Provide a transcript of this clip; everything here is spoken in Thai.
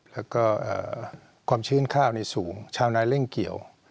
แล้วก็ความชื้นข้าวนี่สูงชาวนายเร่งเกี่ยว